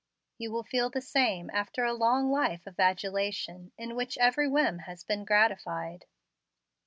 You will feel the same after a long life of adulation, in which every whim has been gratified.